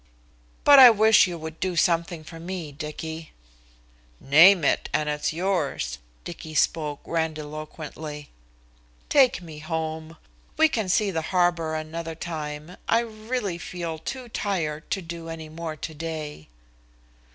"But I wish you would do something for me, Dicky." "Name it, and it is yours," Dicky spoke grandiloquently. "Take me home. We can see the harbor another time. I really feel too tired to do any more today."